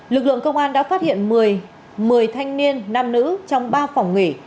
lực lượng công an đã phát hiện một mươi thanh niên nam nữ trong ba phòng nghỉ